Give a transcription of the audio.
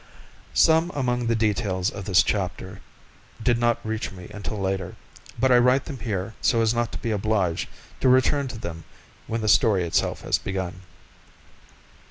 Some among the details of this chapter did not reach me until later, but I write them here so as not to be obliged to return to them when the story itself has begun.